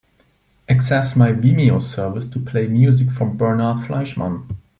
Access my Vimeo service to play music from Bernhard Fleischmann